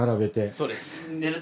そうです。